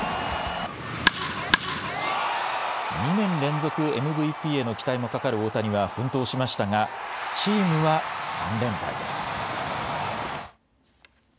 ２年連続ＭＶＰへの期待もかかる大谷は奮闘しましたがチームは３連敗です。